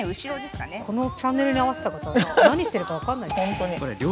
今からこのチャンネルに合わせた方は何してるか分かんない。